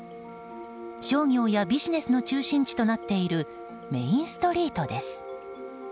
商業やビジネスの中心地となっているメインストリートです。